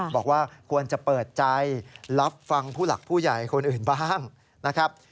บอกว่าควรจะเปิดใจรับฟังผู้หลักผู้ใหญ่คนอื่นบ้างนะครับ